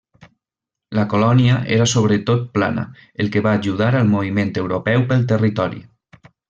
La colònia era sobretot plana, el que va ajudar al moviment europeu pel territori.